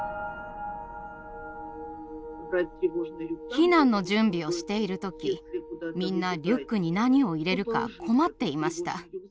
避難の準備をしている時みんなリュックに何を入れるか困っていました。